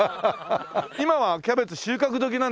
今はキャベツ収穫時なんですか？